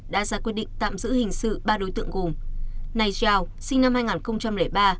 đã ra quyết định tạm giữ hình sự ba đối tượng gồm nay giao sinh năm hai nghìn ba